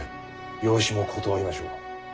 養子も断りましょう。